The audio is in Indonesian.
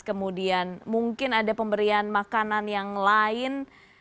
kemudian mungkin ada pemberian makanan yang lain